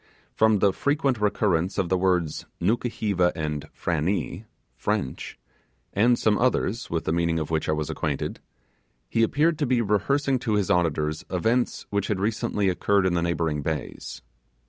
From the frequent recurrence of the words 'Nukuheva' and 'Frannee' (French), and some others with the meaning of which I was acquainted, he appeared to be rehearsing to his auditors events which had recently occurred in the neighbouring bays.